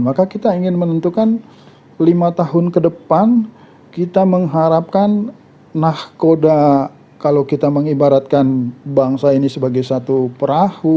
maka kita ingin menentukan lima tahun ke depan kita mengharapkan nahkoda kalau kita mengibaratkan bangsa ini sebagai satu perahu